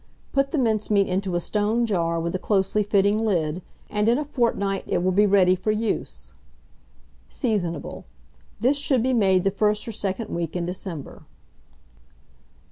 Put the mincemeat into a stone jar with a closely fitting lid, and in a fortnight it will be ready for use. Seasonable. This should be made the first or second week in December.